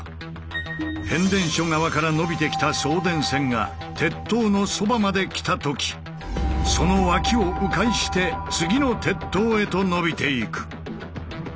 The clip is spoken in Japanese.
変電所側から延びてきた送電線が鉄塔のそばまで来た時その脇をう回して次の鉄塔へと延びていく。